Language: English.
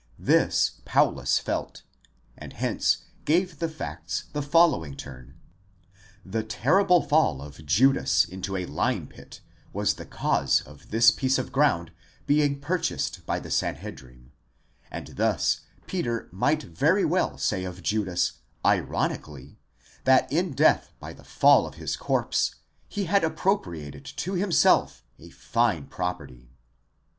This Paulus felt, and hence gave the facts the following turn: the terrible fall of Judas into a lime pit was the cause of this piece of ground being purchased by the Sanhedrim, and thus Peter might very well say of Judas ironically, that in death by the fall of his corpse he had appropriated to himself a fine property.